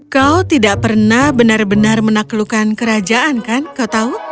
kau tidak pernah benar benar menaklukkan kerajaan kan kau tahu